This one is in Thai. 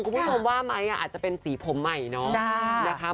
คุณผู้ชมว่าไหมอาจจะเป็นสีผมใหม่เนาะนะคะ